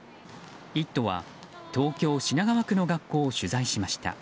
「イット！」は東京・品川区の学校を取材しました。